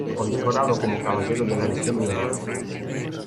Condecorado como Caballero de la Legión de Honor.